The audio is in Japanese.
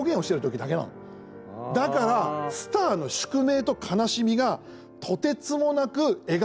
だから、スターの宿命と悲しみがとてつもなく描かれている。